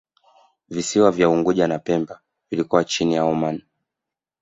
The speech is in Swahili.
Visiwa vya Unguja na Pemba vilikuwa chini ya Omani